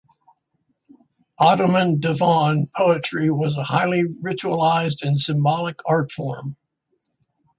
Ottoman Divan poetry was a highly ritualized and symbolic art form.